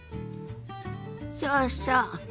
そうそう。